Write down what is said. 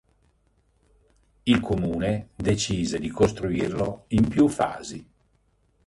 Il comune decise di costruirlo in più fasi.